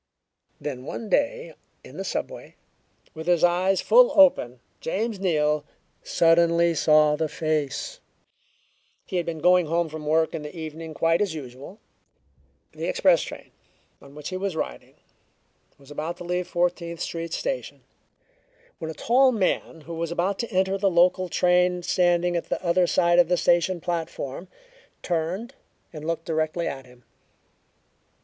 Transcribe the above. Then, one day in the subway, with his eyes full open, James Neal suddenly saw the face! He had been going home from work in the evening quite as usual. The express train on which he was riding was about to leave Fourteenth Street Station when a tall man who was about to enter the local train standing at the other side of the station platform turned and looked directly at him.